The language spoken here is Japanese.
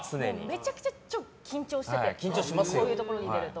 めちゃくちゃ緊張しててこういうところに出ると。